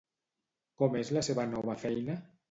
Com és la seva nova feina?